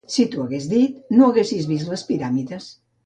Si t'ho hagués dit, no haguessis vist les Piràmides.